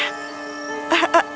astaga ya ampun ini indah